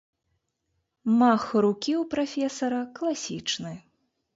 Мах рукі ў прафесара класічны!